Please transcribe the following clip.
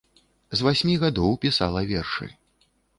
З васьмі гадоў пісала вершы.